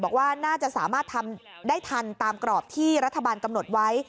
บอกว่าน่าจะสามารถทำได้ทันตามกรอบที่รัฐบาลกำหนดไว้